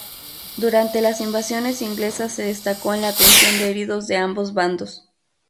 Durante las Invasiones Inglesas se destacó en la atención de heridos de ambos bandos.